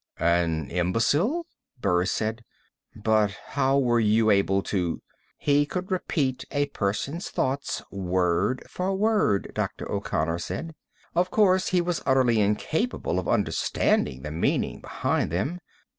"An imbecile?" Burris said. "But how were you able to " "He could repeat a person's thoughts word for word," Dr. O'Connor said. "Of course, he was utterly incapable of understanding the meaning behind them.